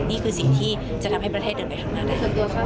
นี่คือสิ่งที่จะทำให้ประเทศเดินไปข้างหน้าได้